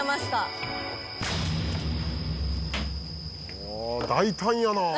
おお大胆やなあ。